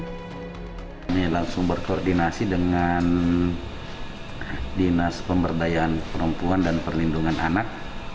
kami langsung berkoordinasi dengan dinas pemberdayaan perempuan dan perlindungan anak